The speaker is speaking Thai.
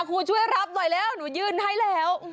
ครูช่วยรับหน่อยแล้วหนูยื่นให้แล้ว